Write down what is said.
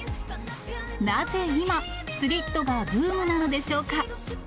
なぜ今、スリットがブームなのでしょうか。